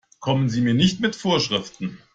Kommen Sie mir nicht mit Vorschriften!